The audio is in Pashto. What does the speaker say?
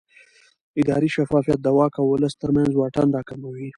اداري شفافیت د واک او ولس ترمنځ واټن راکموي